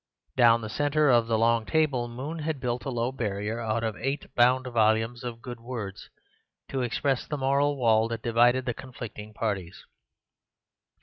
Down the centre of the long table Moon had built a low barrier out of eight bound volumes of "Good Words" to express the moral wall that divided the conflicting parties.